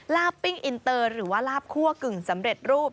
ลาบปิ้งอินเตอร์หรือว่าลาบคั่วกึ่งสำเร็จรูป